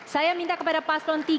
saya minta kepada paslon tiga